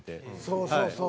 そうそうそう！